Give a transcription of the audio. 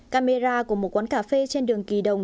camera của một quán cà phê trên đường kỳ đồng